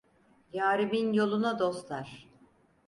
Yârimin yoluna dostlar.